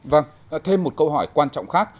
vâng thêm một câu hỏi quan trọng khác